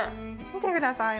見てください。